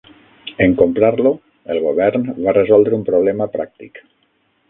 En comprar-lo, el govern va resoldre un problema pràctic.